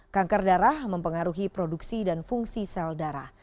kanker darah mempengaruhi produksi dan fungsi sel darah